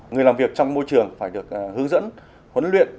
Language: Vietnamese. người làm việc trong môi trường phải được hướng dẫn huấn luyện